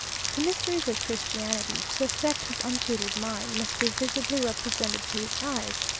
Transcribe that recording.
The mysteries of Christianity, to affect his untutored mind, must be visibly represented to his eyes.